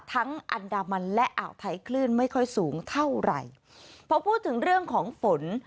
อันดามันและอ่าวไทยคลื่นไม่ค่อยสูงเท่าไหร่พอพูดถึงเรื่องของฝน